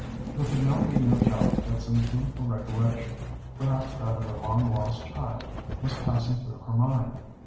There could now be no doubt that some painful recollection, perhaps that of a long lost child, was passing through her mind.